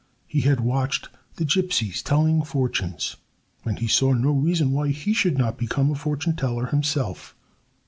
He had watched the gypsies telling fortunes. And he saw no reason why he should not become a fortune teller himself.